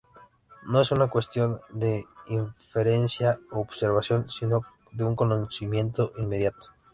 No es una cuestión de inferencia u observación, sino de un conocimiento inmediato.